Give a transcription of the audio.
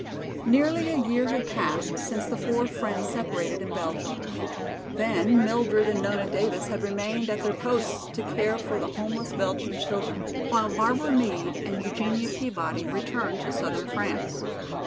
Nearly a year had passed since the four friends separated in Belgium. Then Mildred and Nona Davis had remained at their posts to care for the homeless Belgian children, while Barbara Meade and Eugenia Peabody returned to southern France.